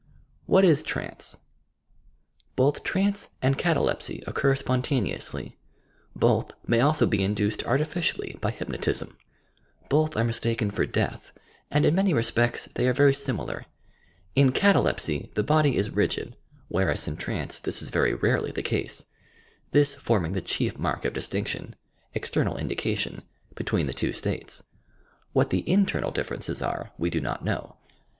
WHAT IS "trance"! Both Trance and Catalepsy occur spontaneously; both may also be induced artificially by hypnotism. Both are mistaken for death, and in many respects they are very similar. In Catalepsy the body is rigid, whereas in trance this is very rarely the case — this form ing the chief mark of distinction (external indication) between the two states. What the internal differences are we do not know.